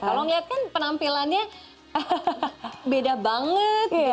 kalau ngeliat kan penampilannya beda banget